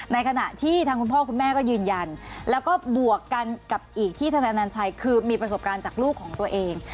ในขณะที่ทางคุณพ่อคุณแม่ก็ยืนยันแล้วก็บวกกันกับอีกที่ธนายอนัญชัยคือมีประสบการณ์จากลูกของตัวเอง